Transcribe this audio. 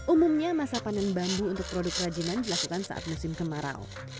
umumnya masa panen bambu untuk produk kerajinan dilakukan saat musim kemarau